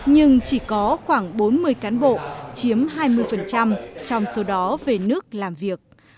nhưng chỉ có khoảng bốn mươi cán bộ chiếm hai mươi trong số đó về nước làm việc